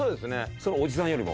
そのおじさんよりも？